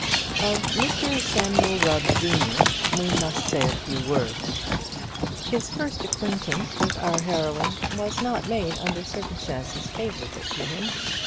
Of Mr Samuel Rubb, junior, we must say a few words. His first acquaintance with our heroine was not made under circumstances favourable to him.